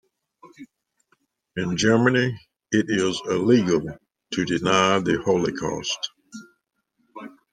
In Germany it is illegal to deny the holocaust.